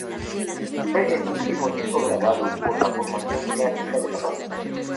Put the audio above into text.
Fue el último disco grabado por la formación clásica de la banda.